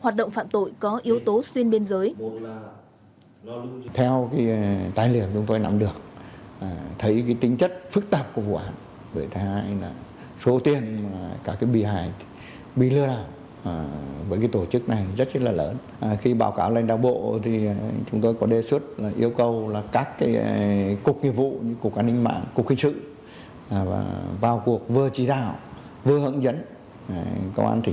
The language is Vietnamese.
trong đồng đầu hoạt động phạm tội có yếu tố xuyên biên giới